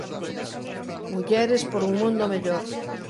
Mulleres por un mundo mellor".